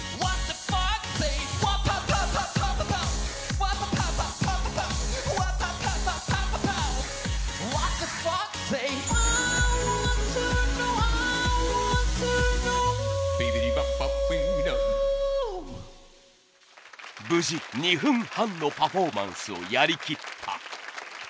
無事２分半のパフォーマンスをやりきった。